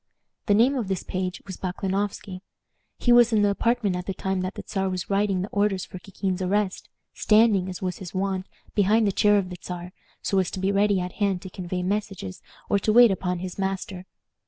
The name of this page was Baklanoffsky. He was in the apartment at the time that the Czar was writing the order for Kikin's arrest, standing, as was his wont, behind the chair of the Czar, so as to be ready at hand to convey messages or to wait upon his master.